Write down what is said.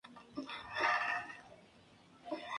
Hazlo, ve allí.